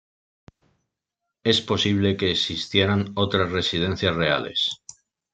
Es posible que existieran otras residencias reales.